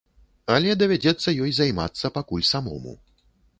Але давядзецца ёй займацца пакуль самому.